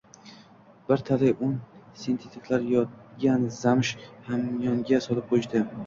Bir talay o`n sentliklar yotgan zamsh hamyonga solib qo`yishdi